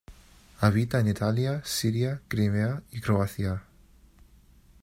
Habita en Italia Siria, Crimea y Croacia.